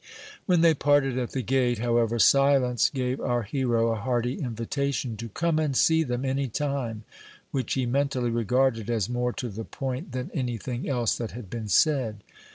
When they parted at the gate, however, Silence gave our hero a hearty invitation to "come and see them any time," which he mentally regarded as more to the point than any thing else that had been said.